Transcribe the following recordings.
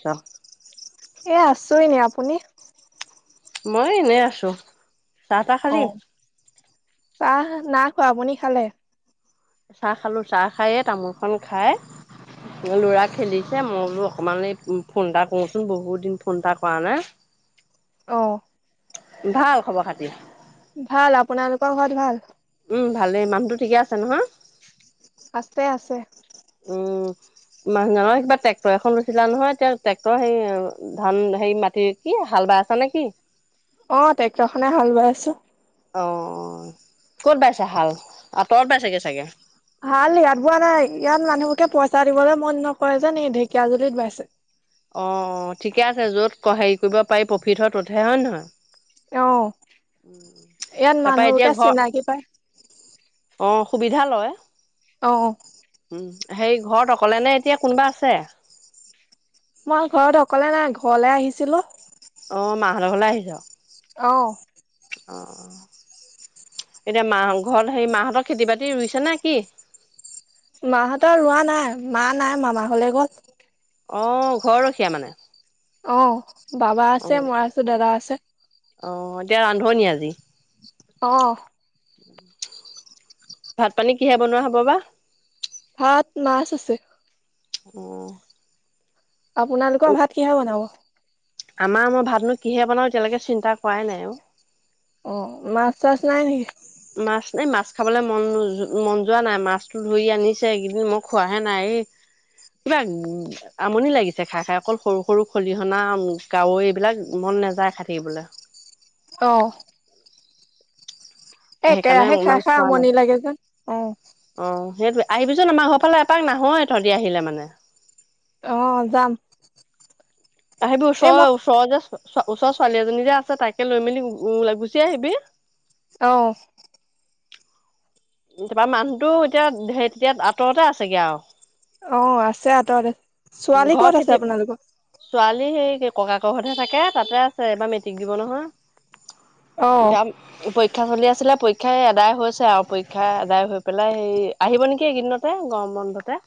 চাম এ আছো এনে, আপুনি? মই এনেই আছো, চাহ তাহ অ খালি? চাহ নাই খোৱা, আপুনি খালে? চাহ খালো, চাহ খাই এই তামোল খন খাই ল'ৰা খেলিছে, মই বোলো অকমান এই ফোন এটা কৰোচোন বহুত দিন ফোন এটা কৰা নাই। [inaudible] অ'। ভাল খবৰ খাতি? ভাল, আপোনালোকৰ ঘৰত ভাল? উম, ভালেই মানুহটো ঠিকে আছে নহয়? আছে আছে। উম, মানুহজনৰ কিবা ট্ৰেক্টৰ এখন লৈছিলা নহয়, এতিয়া ট্ৰেক্টৰ হে ধান হেৰি মাটিৰ কি, হাল বাই আছা নে কি? অ', ট্ৰেক্টৰ খনে হাল বাই আছোঁ। অ', ক'ত বাইছে হাল, আঁতৰত বাইছেগে চাগে! হাল ইয়াত বোৱা নাই, ইয়াত মানুহবোকে পইচা দিবলৈ মন নকৰে যে, ঢেকীয়াজুলিত বাইছে। অ', অ', ঠিকে আছে য'ত হেৰি কৰিব পাৰি প্ৰফিট হয় ত'তহে হয় নে নহয়? অ'। উম, ইয়াত তাৰাপা এতিয়া মানুহবোকে ঘৰ, চিনাকি পায় অ', সুবিধা লয়। অ'। উম, সেই ঘৰত অকলে নে এতিয়া কোনোবা আছে? মই ঘৰত অকলে নাই ঘৰলে আহিছিলো। অ', মাহতৰ ঘৰলে আহিছ? অ'। অ', এতিয়া মা ঘৰত হেৰি মাহঁতৰ খেতি-বাতি ৰুইছে নে কি? মাহঁতৰ ৰোৱা নাই, মা নাই মামা ঘৰলে গ'ল। অ', ঘৰ ৰখীয়া মানে? অ', বাবা আছে অ', মই আছো দাদা আছে। অ', এতিয়া ৰান্ধনি আজি? অ'। ভাত-পানী কিহেৰে বনোৱা হ'ব বা? ভাত মাছ আছে। অ'। আপোনালোকৰ ভাত কিহে বনাব। আমাৰ মই ভাতনো কিহে বনাওঁ এতিয়ালৈকে চিন্তা কৰাই নাই অ'। অ', মাছ-চাছ নাই নেকি? মাছ এই মাছ খাবলৈ মন মন যোৱা নাই, মাছটো ধৰি আনিছে এইকেইদিন মই খোৱাহে নাই এই কিবা আমনি লাগিছে খাই খাই, অকল সৰু সৰু খলিহনা কাৱৈ এইবিলাক মন নেযায় খাই থাকিবলৈ। অ'। এ সেইকাৰণে একেৰাহে ইমান খাই খাই খোৱা আমনি লাগে যে অ'। অ', সেইটোৱে, আহিবিচোন আমাৰ ঘৰ ফালে এপাক নাহয় তহঁতি আহিলে মানে। অ', যাম। আহিবি এই মই ওচৰৰ ওচৰৰ যে ওচৰৰ ছোৱালী এজনী যে আছে তাকে লৈ মেলি গুচি আহিবি। অ'। তাৰাপা মানুহতো এতিয়া হে তেতিয়া আঁতৰতে আছেগে আৰু? অ', আছে আঁতৰতে। উ ছোৱালী ক'ত ঘৰ আছে খেতি আপোনালোকৰ ছোৱালী সেই ককাকৰ ঘৰতহে থাকে, তাতে আছে এইবাৰ মেট্ৰিক দিব নহয়। অ এতিয়া পৰীক্ষা চলি আছিলে পৰীক্ষাই আদায় হৈছে আৰু পৰীক্ষা আদায় হৈ পেলাই সেই আহিব নেকি এইকেদিনতে, গম বন্ধতে।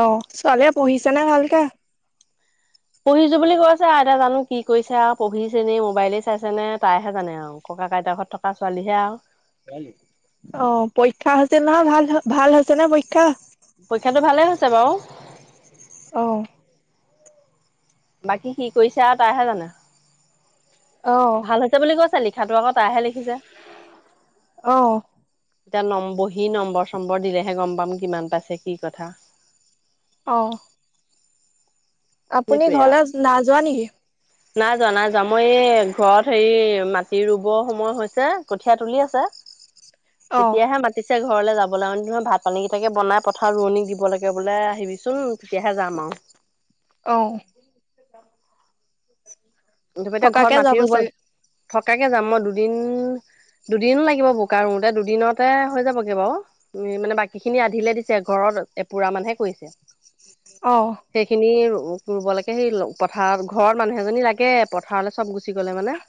অ', ছোৱালীয়ে পঢ়িছে নে ভালকে? পঢ়িছো বুলি কৈ আছে আৰু এতিয়া জানো কি কৰিছে আৰু পঢ়িছে নে মোবাইলে চাইছে নে তাইহে জানে আৰু। ককাক আইতাক ঘৰত থকা ছোৱালীহে আৰু। অ', পৰীক্ষা হৈছে নহয়, ভাল-ভাল হৈছে নে পৰীক্ষা? পৰীক্ষাটো ভালে হৈছে বাৰু। অ'। বাকী কি কৰিছে আৰু তাইহে জানে। অ'। ভাল হৈছে বুলি কৈছে লিখাটো, আকৌ তাইহে লিখিছে। অ'। এতিয়া নম বহি নম্বৰ চম্বৰ দিলেহে গম পাম কিমান পাইছে কি কথা। অ'। আপুনি সেইটোৱে আৰু ঘৰলৈ নাইযোৱা নেকি? [inaudible] নাই যোৱা নাই যোৱা, মই এই ঘৰত হেৰি মাটি ৰুব সময় হৈছে, কঠীয়া তুলি আছে। অ তেতিয়াহে মা পিছে ঘৰলৈ যাবলৈ [unintelligible] ভাত পানীকেইটাকে বনাই পথাৰত ৰোৱনীক দিব লাগে বোলে আহিবিচোন, তেতিয়াহে যাম আৰু। অ'। [unintelligible] তাপা এতিয়া ঘৰত থকাকে যাব মাতি ৰুব, চাগে থকাকে যাম মই দুদিন দুদিন লাগিব বোকা ৰুওঁতে, দুদিনতে হৈ যাবগে বাৰু। উম মানে, বাকী খিনি আধিলে দিছে ঘৰত এপোৰা মানহে কৰিছে। অ'। সেইখিনি ৰুব লাগে, সেই পথাৰত ঘৰত মানুহ এজনী লাগে [unintelligible] পথাৰলৈ চব গুচি গ'লে মানে।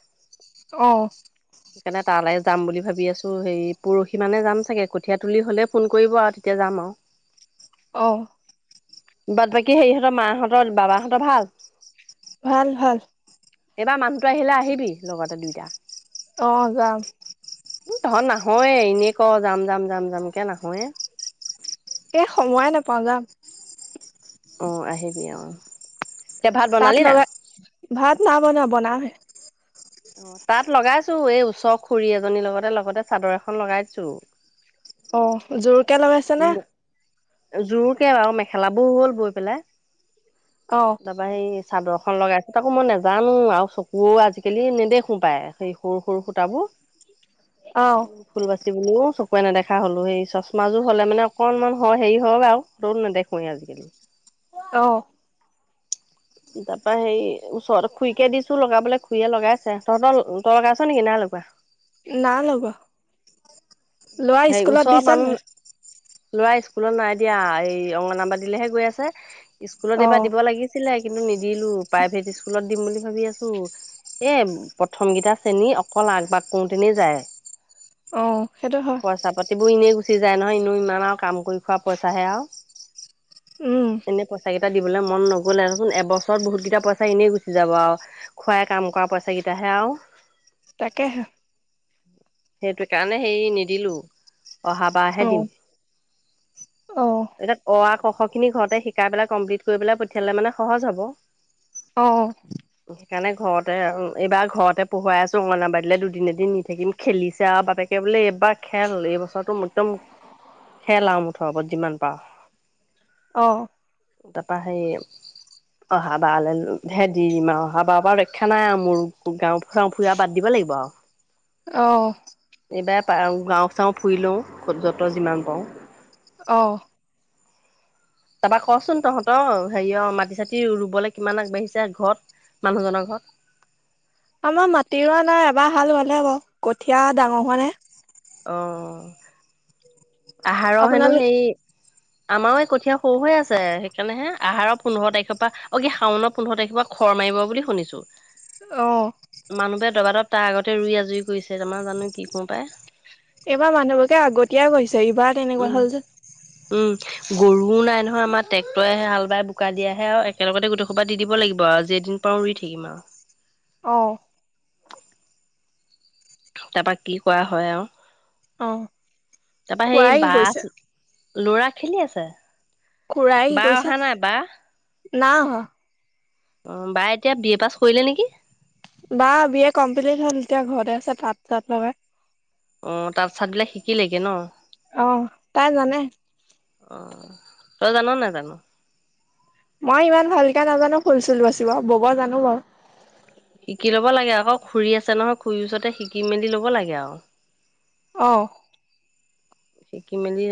অ'। [inaudible] সেইকাৰণে তালৈ যাম বুলি ভাবি আছোঁ, হেৰি পৰহি মানে যাম চাগে কঠীয়া তুলি হ'লেই ফোন কৰিব আৰু তেতিয়া যাম আৰু। [inaudible] অ'। বাট বাকী হেৰিহঁতৰ, মাহঁতৰ বাবাহঁতৰ ভাল? ভাল, ভাল। এইবাৰ মানুহতো আহিলে আহিবি লগতে দুইটা। অ', যাম। উম, তহঁত নাহয়ে, এনেই ক' যাম-যাম-যাম-যাম কে নাহয়ে। এ, সময়ে নাপাওঁ যাম। অ', আহিবি অ'। এতিয়া ভাত তাত বনালি না লগাই, ভাত নাই বনোৱা বনাওঁ হে। অ', তাত লগাইছো, এই ওচৰ খুড়ী এজনীৰ লগতে, লগতে চাদৰ এখন লগাইছো। অ', যোৰকে লগাইছে উম নে? জোৰকে আৰু মেখেলাবোৰ হল বৈ পেলাই। অ'। তাৰপৰা সেই চাদৰ এখন লগাইছো, তাকো মই নাজানো আৰু চকুও আজিকালি পায়, সেই সৰু সৰু সূতাবোৰ। অ'। ফুল বাচি বলেও চকুৰে নেদেখা হ'লো, সেই চচমাযোৰ হ'লে মানে অকণমান হয় হেৰি হয় বাৰু। সেইটো নেদেখো আজিকালি। অ'। তাৰ পৰা হেৰি ওচৰতে খুুৰীকে দিছো লগাবলৈ খুৰীয়েই লগাইছে, তহঁতৰ তই লগাইছ নেকি নাই লগোৱা? নাই লগোৱা। ল'ৰা সেই স্কুলত ওচৰৰ দিছা নে মানুহ নাই? ল'ৰা স্কুলত নাই দিয়া, এই অংগনবাড়ীলেহে গৈ আছে, স্কুলত এইবাৰ অ' দিব লাগিছিল? ছিলে, কিন্তু নিদিলো প্ৰাইভেট স্কুলত দিম বুলি ভাবি আছো। এই প্ৰথমকেইটা শ্ৰেণী অকল আগ-বাগ কৰোঁতেনেই যায়। অ', সেইটো হয়। পইচা পাতিবোৰ এনেই গুচি যায় নহয়, ইনে ইমান আৰু কাম কৰি খোৱা পইচাহে আৰু। উম, এনে পইচা কেইটা দিবলে মন নগ গ'লেচোন, এবছৰত বহুতকেইটা পইচা এনেই গুচি যাব আৰু। খুলৰাই কাম কৰা পইচা কেইটাহে আৰু? তাকেহে। সেইটো কাৰণে হেৰি নিদিলো, অহা বাৰহে অ' দিম। অ'। এতিয়া অ, আ, ক, খ খিনি ঘৰতে শিকাই পেলাই কমপ্লিট কৰি পেলাই পঠিয়ালে মানে সহজ হব। অ'। [unintelligible] সেইকাৰণে ঘৰতে এইবাৰ ঘৰতে পঢ়োৱাই আছোঁ, অংগনবাড়ীলে দুদিনে এদিন নি থাকিম খেলিছে আৰু বাপেক কে বোলে এইবাৰ খেল এইবছৰটো খেলা আৰু মুঠৰ ওপৰত যিমান পাৰ। অ'। তাৰপৰা সেই অহা বাৰ হে দি দিম আৰু, অহা বাৰ পৰা ৰক্ষা নাই আৰু মোৰ গাঁও ফুৰাওঁ ফুৰি বাদ দিব লাগিব আৰু। উম [unintelligible] অ'। এইবাৰ গাঁও চাওঁ ফুৰি লওঁ যত যিমান পাৰোঁ। অ'। তাৰপৰা কচোন তহঁতৰ হেৰি অ' মাটি চাতি ৰুবলৈ কিমান আগবাঢ়িছে ঘৰত? মানুহজনৰ ঘৰত? আমাৰ মাটি ৰোৱা নাই এবাৰ হাল বলে বাৰু, কঠিয়া ডাঙৰ হোৱা নাই। অঁ। আহাৰৰ হেনো আপোনালোক সেই আমাৰো এই কঠীয়া সৰু হৈ আছে। সেইকাৰণে হে আহাৰৰ পোন্ধৰ তাৰিখৰ পৰা অ কি শাওণ পোন্ধৰ তাৰিখৰ পৰা খৰ মাৰিব বুলি শুনিছো? অ'। মানুহবোৰে দবা দব তাৰ আগতে ৰুই আজৰি কৰিছে, আমাৰ জানো কি কৰো পাই। এইবাৰ মানুহবোৰে আগতীয়া কৰিছে। এইবাৰ উম। উম, গৰুও নাই নহয় আমাৰ, ট্ৰেক্টৰেহে হাল বাই বোকা দিয়াহে আৰু একেলগতে গোটেই সো পা দি দিব লাগিব আৰু, যেই দিন পাৰো ৰুই থাকিম আৰু। অ'। তাৰপৰা কি কৰা হয় আৰু অ' তাৰপৰা সেই খুৰাই কি কৰিছে? বাছ- ল'ৰা খেলি আছে। খুৰায় কি বা কৰিছে অহা নাই বা নাই অহা। অঁ বাই এতিয়া বি এ পাছ কৰিলে নেকি? বা বি এ কমপ্লিট হ'ল এতিয়া ঘৰতে আছে তাত তাত লগাই। অঁ তাত ছাত বিলাক শিকিলেগে ন। অঁ তাই জানে। অঁ তই জান নেজান। মই ইমান ভালকে নাজানো ফুল চুল বাচিব ব'ব জানো বাৰু। শিকি ল'ব লাগে আকৌ খুুৰী আছে নহয় খুৰীৰ ওচতে শিকি মেলি ল'ব লাগে আৰু। অঁ! শিকি মেলি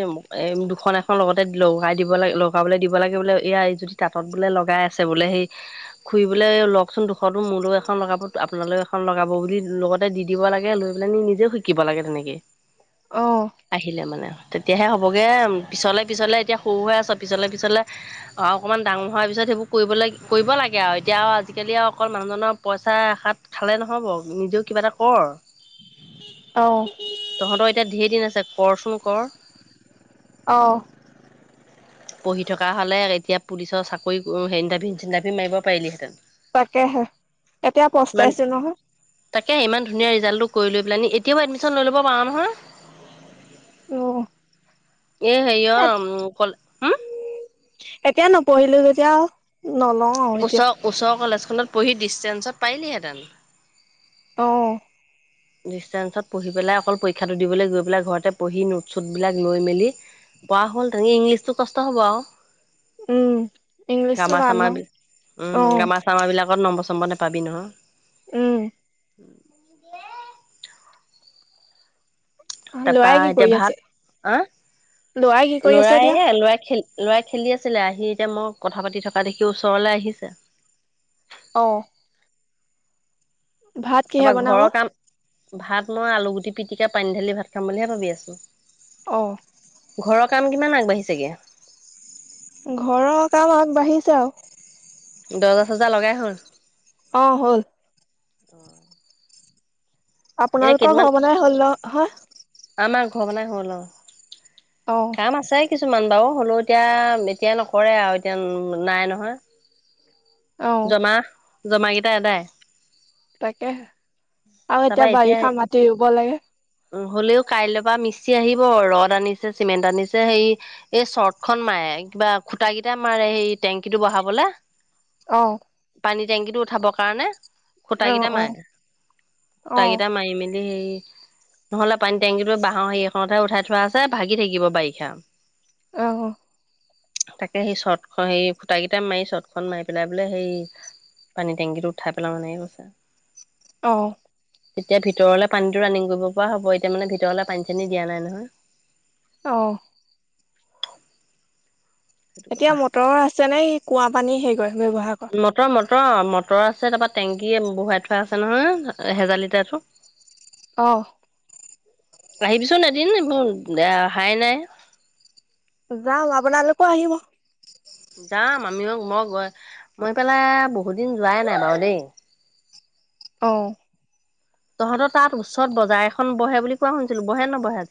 এ দুখন এখন লগতে বলহাৰ লগাই দিব লাগে লগাবলৈ দিব লাগে বোলে এয়া যোতি তাঁতত বোলে লগাই আছে বোলে সেই- খুৰিবলৈ লওকচোন দুখতো মোৰ লগ এখন লগাব আপোনালোক এখন লগাব বুলি লগত। তাত দি দিব লাগে লৈ পেলাই নিজেও শিকিব লাগে ধুনীয়াকে। অঁ। আহিলে মানে তেতিয়াহে হ'বগে পিছলে পিছলে এতিয়া সৰু হৈ আছ পিছলে পিছলে। অকণমান ডাঙৰ হোৱাৰ পিছত সেইবোৰ কৰিব লাগে কৰিব লাগে আও এতিয়া আৰু আজিকালি আৰু অকল মানুহজনৰ পইচা এষাত- খালে নহব নিজেও কিবা এটা কৰ। অঁ। তহঁতৰ এতিয়া ধেৰ দিন আছে কৰচোন কৰ। অঁ। [unintelligible] পঢ়ি থকা হ'লে এতিয়া পুলিচৰ চাকৰি ইনটাভি চিনটাভি মাৰিব পাৰিলিহেঁতেন। তাকেহে এতিয়া ইমান পস্তাইছো নহয়। তাকে ইমান ধুনীয়া ৰিজালটো কৰিলৈ পেলাই নি এতিয়াও এডমিশন লৈ লব পাৰা নহয়। অঁ। এ হেৰিয় কলে এতিয়া নপঢ়িলো যেতিয়া নলওঁ। আৰু এতিয়া ওচৰ ওচৰলেজখনত পঢ়ি ডিষ্টেঞ্চত পাৰিলিহেঁতেন। অঁ। ডিষ্টেঞ্চত পঢ়ি পেলাই অকল পৰীক্ষাটো দিবলৈ গৈ পেলাই ঘৰতে পঢ়ি নোট চোটবিলাক লৈ মেলি। পোৱা হ'ল তেনেক ইংলিছতটো কষ্ট হ'ব আও। উম ইংলিছটো গামা টান চামা বি নহয় অ উমঁ গামা চামা বিলাকত নম্ব চম্ব নোপাবি নহয়। উমঁ! তাৰপা লৰাই কি এতিয়া কৰি আছে ভাত লৰাই কি অঁ কৰি আছে লৰাই এতিয়া লৰাই হে খেলি- লৰাই খেলি আছিলে আহি এতিয়া মই কথা পাতি থকা দেখি ওচৰলৈ আহিছে। অঁ! ভাত কিহে তাৰপৰা বনাব ঘৰৰ কাম ভাত মই আলুগুটি পিটিকা পানী ঢালি ভাত খাম বুলিহে ভাবি আছোঁ। অঁ! ঘৰৰ কাম কিমান আগবাঢ়িছেগৈ? ঘৰৰ কাম আগবাঢ়িছে আও। দহজাছজা লগাই হ'ল। অঁ হ'ল। অঁ! আপোনালোকৰ ঘৰ বনাই হ'ল ন-হয়? আমাৰ ঘৰ বনাই হ'ল অ', অ কাম আছে কিছুমান বাৰু, হ'লেও এতিয়া-এতিয়া নকৰে আৰু এতিয়া নাই নহয়। অ জমা, জমাকেইটা আদায়। তাকেহে, আৰু এতিয়া বাৰিষা মাটি ৰুব লাগে। হ'লেও কাইলৈ পৰা মিস্ত্ৰী আহিব, ৰদ আনিছে, চিমেণ্ট আনিছে, হেৰি এই চৰ্টখন মাৰে, কিবা খুটা কেইটা মাৰে, সেই টেংকীটো বহাবলে। অ'। পানী টেংকিটো উঠাবৰ কাৰণে, অ খুটা কেইটা অ মাৰে। অ খুটা কেইটা মাৰি মেলি হেৰি নহ'লে পানী টেংকি বাঁহৰ হেৰি এখনতহে উঠাই থোৱা আছে, ভাগি থাকিব বাৰিষা। অ'। তাকে সেই চৰ্টখন-সেই খুটা কেইটা মাৰি চৰ্টখন মাৰি পেলাই বোলে হেৰি পানী টেংকিটো উঠাই পেলাও, এনেকে কৈছে। অ'। তেতিয়া ভিতৰলে পানীতো ৰানিং কৰিব পৰা হ'ব, এতিয়া মানে ভিতৰলে পানী-চানী দিয়া নাই নহয়। অ'। সেইটো এতিয়া কথা। মটৰ আছে নে, সেই কুঁৱা পানী হেৰি কৰে, ব্যৱহাৰ কৰে? মটৰ-মটৰ, মটৰ আছে, তাৰপৰা টেংকী বহুৱাই থোৱা আছে নহয়, এহেজাৰ লিটাৰতো। [inaudible] অ'। আহিবিচোন এদিন, এইবোৰ অহাই নাই। যাম, আপোনালোকো আহিব। যাম, আমিও মই গৈ-মই সেইফালে বহুত দিন যোৱাই নাই বাৰু দেই। অ'। তহঁতৰ তাত ওচৰত বজাৰ এখন বহে বুলি কোৱা শুনিছিলোঁ, বহে নবহে আজি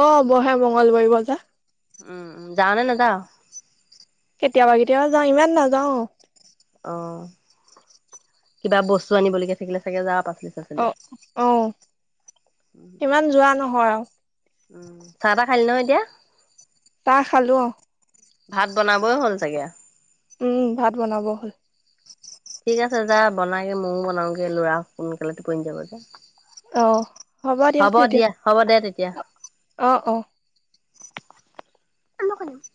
অ', বহে মঙ্গলবৰী বজাৰ। উম উম, যাৱ নে নাযাৱ? কেতিয়াবা কেতিয়াবা যাওঁ, ইমান নাযাওঁ। অ', কিবা বস্তু আনিবলগীয়া থাকিলে চাগে যাৱ পাচলি চাচলি। অ' অ', ইমান যোৱা নহয় অ'। উম, চাহ-তাহ খালি নহয় এতিয়া? তাহ খালোঁ অ'। ভাত বনাবই হ'ল চাগে? উম, ভাত বনাব হ'ল। ঠিক আছে যা বনাগে, মইয়ো বনাওঁগে, ল'ৰা সোনকালে টোপনি যাব যে। অ দিয়ক হ'ব তেতিয়া দিয়া-হ'ব দে তেতিয়া। অ অ [unintelligible]